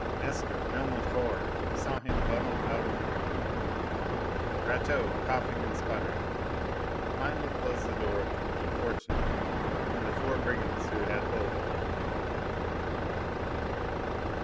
Esther, numb with horror, saw him bundled out of the room. Rateau, coughing and spluttering, finally closed the door upon the unfortunate and the four brigands who had hold of him.